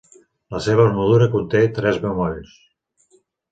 La seva armadura conté tres bemolls.